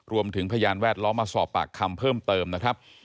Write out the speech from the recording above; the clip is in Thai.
พยานแวดล้อมมาสอบปากคำเพิ่มเติมนะครับ